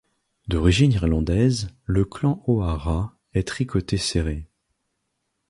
D'origine irlandaise, le clan O’Hara est tricoté serré.